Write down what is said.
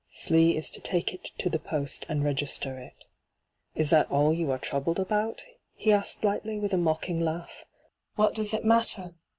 Slee is to take it to the post and register it.' ' Is that all you are troubled about V he asked lightly, with a mocking laugh. ' What does it matter